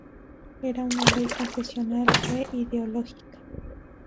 Era una ley confesional e ideológica.